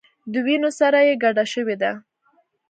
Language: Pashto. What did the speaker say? د وینو سره یې ګډه شوې ده.